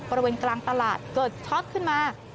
บริเวณกลางตลาดเกิดช็อตขึ้นมา